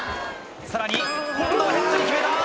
さらに今度はヘッドに決めた！